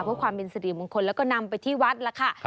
เพื่อความเป็นสิริมงคลแล้วก็นำไปที่วัดล่ะค่ะ